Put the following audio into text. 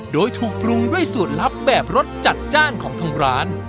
โดยถูกปรุงด้วยสูตรลับแบบรสจัดจ้านของทางร้าน